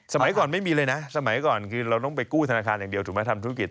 สมัยก่อนไม่มีเลยนะสมัยก่อนคือเราต้องไปกู้ธนาคารอย่างเดียวถูกไหมทำธุรกิจ